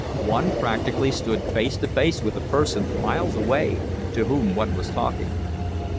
One practically stood face to face with the person, miles away, to whom one was talking.